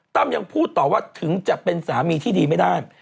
ยังพูดต่อว่าถึงจะเป็นสามีที่ดีไม่ได้